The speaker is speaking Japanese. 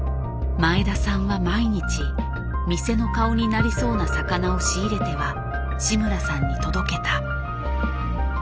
前田さんは毎日店の顔になりそうな魚を仕入れては志村さんに届けた。